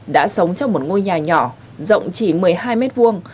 đã sống trong một ngôi nhà nhỏ rộng chỉ một mươi hai mét vuông